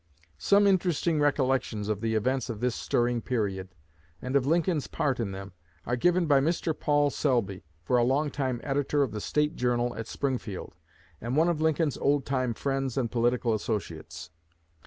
Some interesting recollections of the events of this stirring period, and of Lincoln's part in them, are given by Mr. Paul Selby, for a long time editor of the "State Journal" at Springfield, and one of Lincoln's old time friends and political associates.